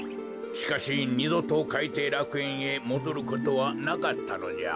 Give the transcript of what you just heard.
しかしにどとかいていらくえんへもどることはなかったのじゃ。